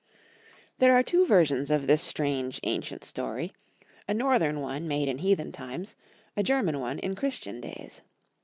'TT^HERE are two versions of this strange *• ancient story — a northern one made in heathen times, a German one in Christian days.